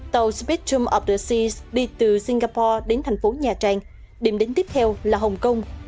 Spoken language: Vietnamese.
tàu spectrum opsi đi từ singapore đến thành phố nha trang điểm đến tiếp theo là hồng kông